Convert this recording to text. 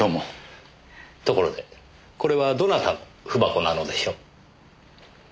ところでこれはどなたの文箱なのでしょう？